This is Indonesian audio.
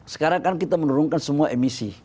sekarang kan kita menurunkan semua emisi